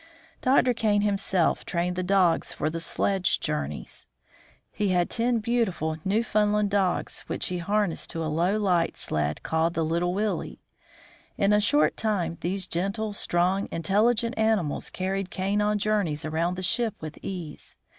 Dr. Kane himself trained the dogs for the sledge jour 36 WINTER IN RENSSELAER HARBOR 37 neys. He had ten beautiful Newfoundland dogs which he harnessed to a low, light sled called the " Little Willie." In a short time these gentle, strong, intelligent animals carried Kane on journeys around the ship with ease.